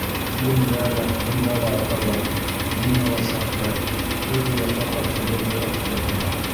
Тегендә лә, бында ла аталар, миналар шартлай, төрлө яҡлап артиллерия ут яуҙыра.